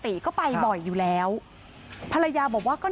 ปี๖๕วันเกิดปี๖๔ไปร่วมงานเช่นเดียวกัน